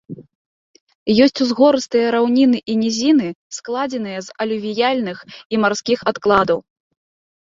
Ёсць узгорыстыя раўніны і нізіны, складзеныя з алювіяльных і марскіх адкладаў.